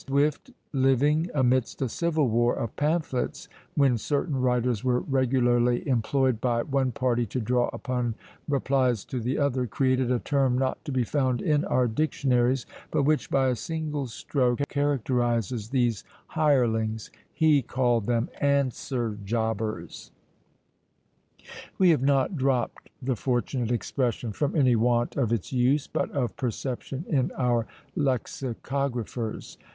Swift, living amidst a civil war of pamphlets, when certain writers were regularly employed by one party to draw up replies to the other, created a term not to be found in our dictionaries, but which, by a single stroke, characterises these hirelings; he called them answer jobbers. We have not dropped the fortunate expression from any want of its use, but of perception in our lexicographers.